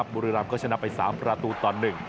บุรีรำก็ชนะไป๓ประตูต่อ๑